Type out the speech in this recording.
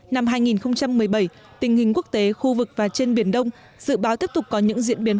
năm hai nghìn một mươi bảy tình hình quốc tế khu vực và trên biển đông dự báo tiếp tục có những diễn biến